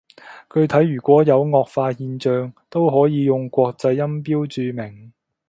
具體如果有顎化現象，都可以用國際音標注明